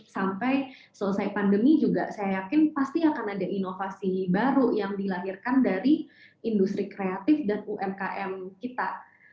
sampai selesai pandemi juga saya yakin pasti akan ada inovasi baru yang dilahirkan dari industri kreatif dan umkm kita